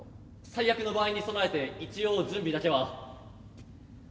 最悪の場合にそなえて一応準備だけは。